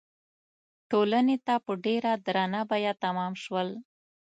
ټولنې ته په ډېره درنه بیه تمام شول.